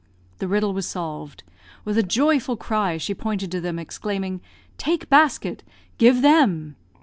The riddle was solved. With a joyful cry she pointed to them, exclaiming "Take basket. Give them!"